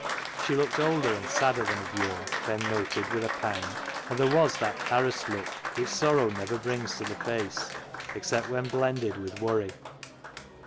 She looked older and sadder than of yore, Ben noted with a pang, and there was that harassed look which sorrow never brings to the face except when blended with worry.